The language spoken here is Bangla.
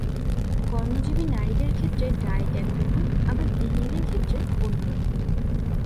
কর্মজীবী নারীদের ক্ষেত্রে ডায়েট এক রকম আবার গৃহিণীদের ক্ষেত্রে অন্য রকম।